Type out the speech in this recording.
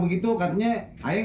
haloto bencana jadinya